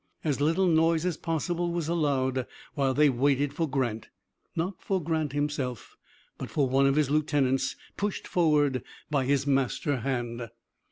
As little noise as possible was allowed, while they waited for Grant; not for Grant himself, but for one of his lieutenants, pushed forward by his master hand.